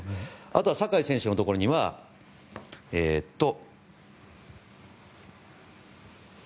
あとは酒井選手のところにはえっと。